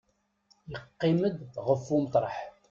Yeqqim-d ɣef umeṭreḥ.